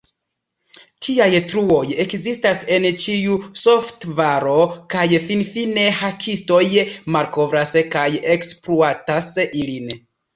Tiaj truoj ekzistas en ĉiu softvaro, kaj finfine hakistoj malkovras kaj ekspluatas ilin.